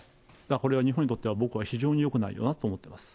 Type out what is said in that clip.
これは日本にとっては、僕は非常によくないなと思ってます。